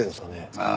ああ。